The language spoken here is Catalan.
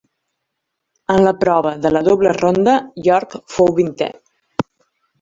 En la prova de la doble ronda York fou vintè.